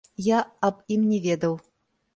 Я аб ім не ведаў.